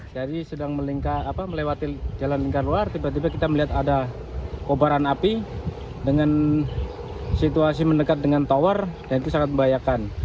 jadi sedang melewati jalan lingkar luar tiba tiba kita melihat ada kobaran api dengan situasi mendekat dengan tower dan itu sangat membahayakan